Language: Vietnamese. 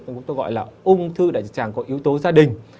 chúng tôi gọi là ung thư đại trực tràng có yếu tố gia đình